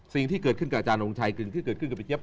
สิ่งที่เกิดขึ้นกับอาจารย์ทงชัยที่เกิดขึ้นกับพี่เจี๊ย